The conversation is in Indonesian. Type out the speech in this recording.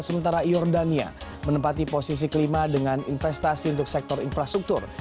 sementara jordania menempati posisi kelima dengan investasi untuk sektor infrastruktur